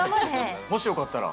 もしよかったら。